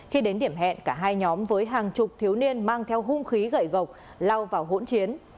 hiểm hẹn cả hai nhóm với hàng chục thiếu niên mang theo hung khí gậy gộc lao vào hỗn chiến